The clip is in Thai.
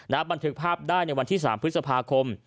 บันทึกภาพได้ในวันที่๓พฤษภาคม